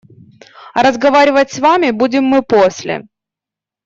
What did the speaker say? А разговаривать с вами будем мы после.